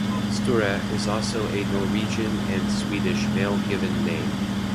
"Sture" is also a Norwegian and Swedish male given name.